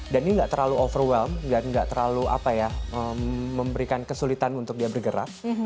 dan ini ga terlalu overwhelm dan ga terlalu memberikan kesulitan untuk dia bergerak